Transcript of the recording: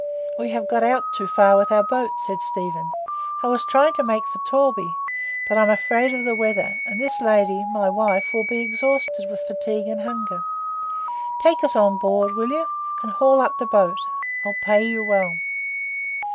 "We had got out too far with our boat," said Stephen. "I was trying to make for Torby. But I'm afraid of the weather; and this lady—my wife—will be exhausted with fatigue and hunger. Take us on board—will you?—and haul up the boat. I'll pay you well."